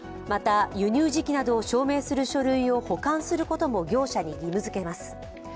また、輸入時期などを証明する書類を保管することも業者に義務づけます。